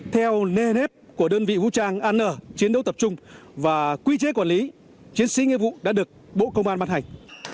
theo nề nếp của đơn vị vũ trang an chiến đấu tập trung và quy chế quản lý chiến sĩ nghĩa vụ đã được bộ công an bắt hành